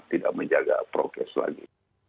tidak menjaga progres lagi